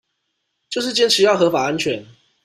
就是堅持要合法安全